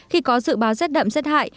khi có dự báo rét đậm rét hạt